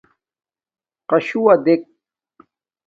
قَشُوّا دݵک.